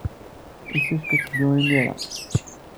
Yessefk ad teddu imir-a.